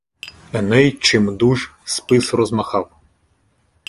Еней чимдуж спис розмахав